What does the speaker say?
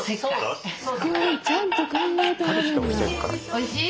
おいしい？